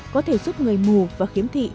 có thể giúp người mù và khiếm thị